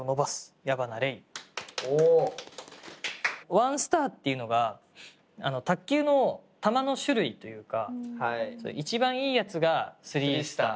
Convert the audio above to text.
「ワンスター」っていうのが卓球の球の種類というか一番いいやつがスリースター。